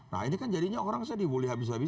nah ini kan jadinya orang saya dibully habis habisan